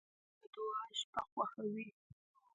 نجلۍ د دعا شپه خوښوي.